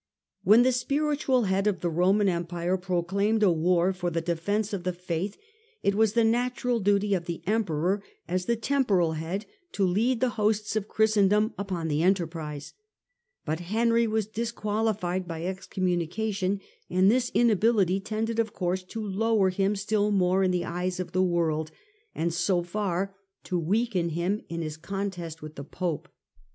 When the spiritual head of the Roman Empire pro claimed a war for the defence of the faith, it was the natural duty of the emperor, as the temporal head, to lead the hosts of Christendom upon the enterprise; but Henry was disqualified by excommunication, and this inability tended, of course, to lower him still more in the eyes of the world, and so far to weaken him in his contest with the pope.